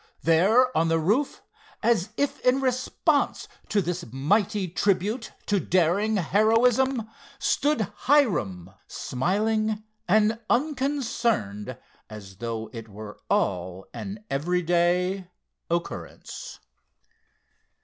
There on the roof, as if in response to this mighty tribute to daring heroism, stood Hiram, smiling and unconcerned as though it were all an every day occurrence.